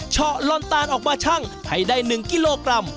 เฉลอนตาลออกมาชั่งให้ได้๑กิโลกรัม